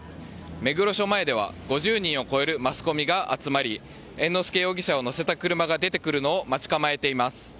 目黒署前では５０人を超えるマスコミが集まり猿之助容疑者を乗せた車が出てくるのを待ち構えています。